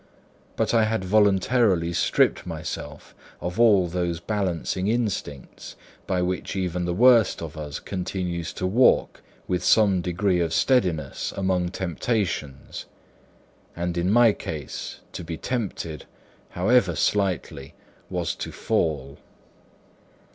But I had voluntarily stripped myself of all those balancing instincts by which even the worst of us continues to walk with some degree of steadiness among temptations; and in my case, to be tempted, however slightly, was to fall.